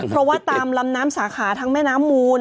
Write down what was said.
เพราะว่าตามลำน้ำสาขาทั้งแม่น้ำมูล